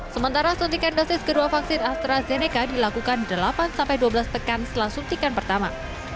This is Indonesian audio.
sementara suntikan dosis kedua vaksin astrazeneca dilakukan delapan dua belas pekan setelah suntikan pertama